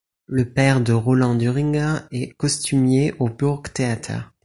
Le père de Roland Düringer est costumier au Burgtheater.